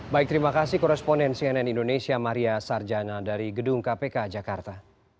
baik terima kasih koresponden cnn indonesia maria sarjana dari gedung kpk jakarta